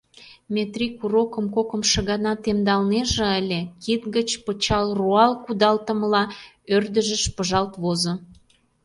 Метрий курокым кокымшо гана темдалнеже ыле, кид гыч пычал руал кудалтымыла ӧрдыжыш пыжалт возо.